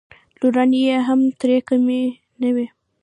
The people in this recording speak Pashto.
لورانې یې هم ترې کمې نه وې.